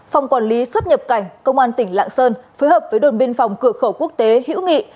phòng quản lý xuất nhập cảnh công an tỉnh lạng sơn phối hợp với đồn biên phòng cửa khẩu quốc tế hữu nghị